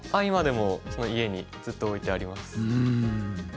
今でも家にずっと置いてあります。